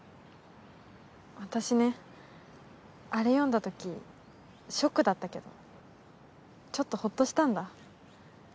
私ねあれ読んだ時ショックだったけどちょっとホッとしたんだ。